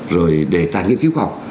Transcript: rồi đề tài nghiên cứu khoa học